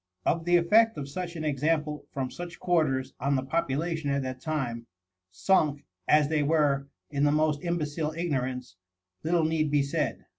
Of the effect of such an example from such quarters on the population at that time, sunk, as they were, in the most imbecile ignorance, little need be said.